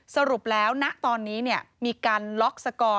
สรุปแล้วนักตอนนี้เนี่ยมีการล็อกสกอร์